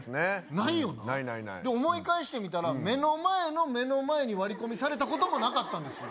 ないないないで思い返してみたら目の前の目の前に割り込みされたこともなかったんですよ